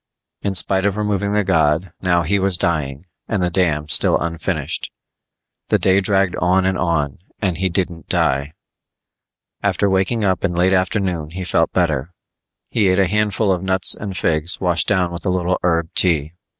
In spite of removing the god, now he was dying and the dam still unfinished. The day dragged on and on and he didn't die. After waking up in late afternoon he felt better. He ate a handful of nuts and figs washed down with a little herb tea.